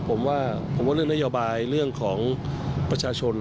ผมว่าผมว่าเรื่องนโยบายเรื่องของประชาชน